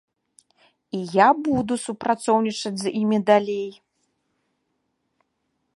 І я буду супрацоўнічаць з імі далей.